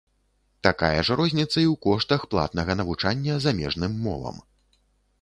Такая ж розніца і ў коштах платнага навучання замежным мовам.